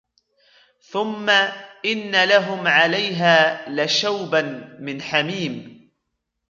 ثم إن لهم عليها لشوبا من حميم